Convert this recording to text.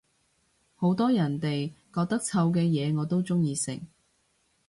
好多人哋覺得臭嘅嘢我都鍾意食